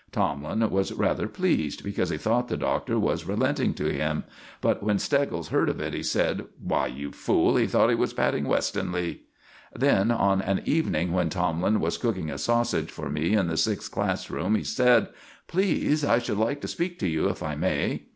Tomlin was rather pleased, because he thought the Doctor was relenting to him; but when Steggles heard of it he said: "Why, you fool, he thought he was patting Westonleigh!" Then, on an evening when Tomlin was cooking a sausage for me in the Sixth's class room, he said: "Please, I should like to speak to you, if I may."